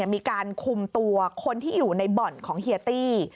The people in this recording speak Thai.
มีการคุมตัวคนที่อยู่ในบ่อนของเฮียตี้